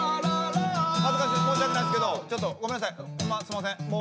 恥ずかしい申し訳ないですけどちょっとごめんなさいホンマすんません。